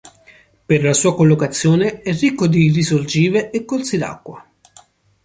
Per la sua collocazione è ricco di risorgive e corsi s'acqua.